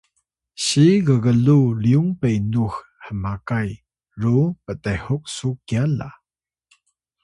siy ggluw Lyung Penux hmakay ru ptehuk su kya la